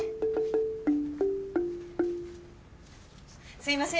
すみません